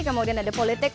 kemudian ada politik